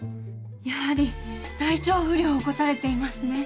やはり体調不良を起こされていますね。